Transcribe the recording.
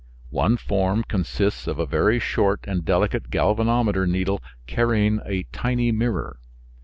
One form consists of a very short and delicate galvanometer needle carrying a tiny mirror.